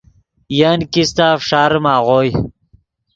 ین کیستہ فݰاریم آغوئے۔